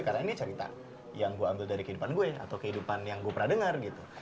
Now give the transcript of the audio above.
karena ini cerita yang gue ambil dari kehidupan gue atau kehidupan yang gue pernah dengar gitu